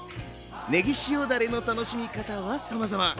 ねぎ塩だれの楽しみ方はさまざま。